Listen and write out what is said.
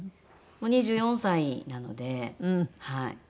もう２４歳なのではい。